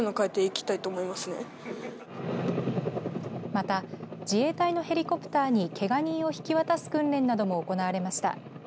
また、自衛隊のヘリコプターにけが人を引き渡す訓練なども行われました。